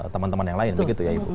teman teman yang lain begitu ya ibu